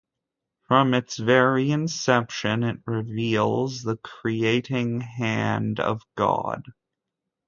From its very inception it reveals the creating hand of God.